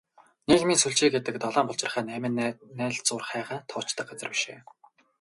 Нийгмийн сүлжээ гэдэг долоон булчирхай, найман найлзуурхайгаа тоочдог газар биш ээ.